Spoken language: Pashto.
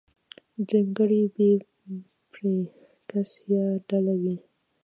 درېمګړی بې پرې کس يا ډله وي.